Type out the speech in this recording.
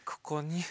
ここに。